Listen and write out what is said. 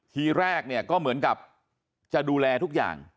ทีแรกเนี่ยก็เหมือนกับจะดูแลทุกอย่าง